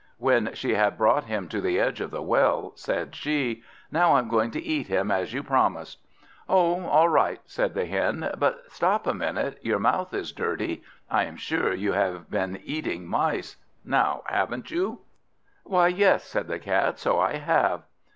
When she had brought him to the edge of the well, said she, "Now I'm going to eat him as you promised." "Oh, all right," said the Hen. "But stop a minute, your mouth is dirty. I am sure you have been eating mice. Now haven't you?" "Why, yes," said the Cat, "so I have."